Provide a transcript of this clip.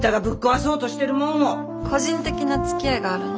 個人的なつきあいがあるの？